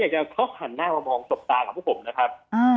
อยากจะคลอกหันหน้ามามองสบตากับผมนะครับ